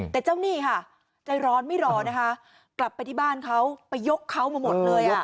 แต่เจ้าหนี้ค่ะใจร้อนไม่รอนะคะกลับไปที่บ้านเขาไปยกเขามาหมดเลย